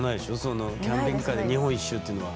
キャンピングカーで日本一周ってのは。